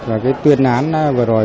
và cái tuyên án vừa rồi